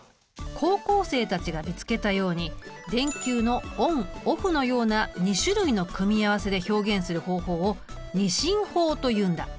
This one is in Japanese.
高校生たちが見つけたように電球のＯＮＯＦＦのような２種類の組み合わせで表現する方法を２進法というんだ。